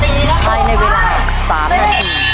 ภายในเวลา๓นาที